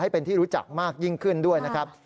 เป็นที่รู้จักมากยิ่งขึ้นด้วยนะครับ